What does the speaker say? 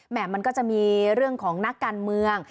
มันก็จะมีเรื่องของนักการเมือง